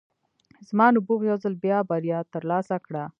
زما نبوغ یو ځل بیا بریا ترلاسه کړه